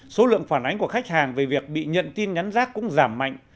số lượng phản ánh của khách hàng về việc bị nhận tin nhắn rác cũng giảm mạnh